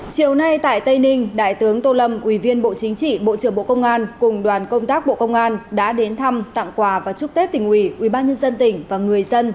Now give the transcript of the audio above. chiều nay tại tây ninh đại tướng tô lâm ủy viên bộ chính trị bộ trưởng bộ công an cùng đoàn công tác bộ công an đã đến thăm tặng quà và chúc tết tỉnh ủy ubnd tỉnh và người dân